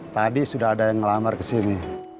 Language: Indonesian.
tadi sudah ada yang ngelamar kesini